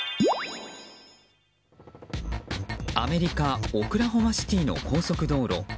アメリカ・オクラホマシティーの高速道路。